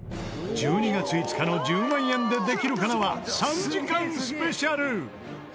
１２月５日の『１０万円でできるかな』は３時間スペシャル！